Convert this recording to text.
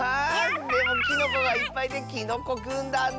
でもきのこがいっぱいできのこぐんだんだ！